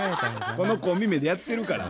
このコンビ名でやってるから。